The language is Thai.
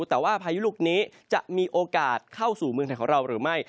แต่ว่าพายุลูกนี้จะมีโอกาสเข้าสู่เมืองไทยของเราหรือไม่